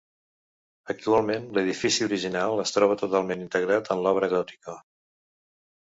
Actualment, l'edifici original es troba totalment integrat en l'obra gòtica.